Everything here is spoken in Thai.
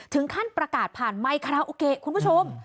ถึงขั้นประกาศผ่านไมค์ครับโอเคคุณผู้ชม